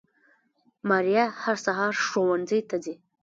ماريه هر سهار ښوونځي ته ځي